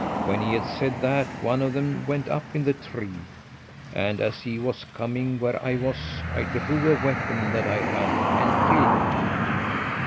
When he had said that, one of them went up in the tree, and as he was coming where I was, I drew a weapon that I had and I killed him.